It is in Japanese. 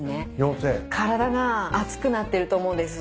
体が熱くなってると思うんです。